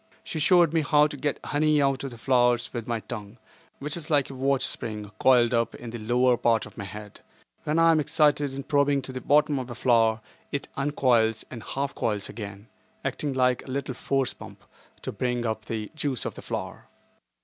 She showed me how to get honey out of the flowers with my tongue, which is like a watch spring coiled up in the lower part of my head. When I am excited in probing to the bottom of a flower it uncoils and half coils again, "acting like a little force pump" to bring up the juice of the flower.